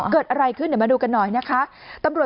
เกิดอะไรขึ้นเดี๋ยวมาดูกันหน่อยนะคะ